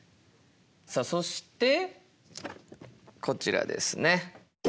さあそしてこちらですね。